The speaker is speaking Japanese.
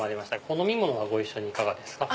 お飲み物ご一緒にいかがですか？